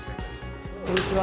こんにちは。